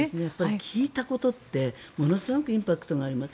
聞いたことってものすごくインパクトがあります。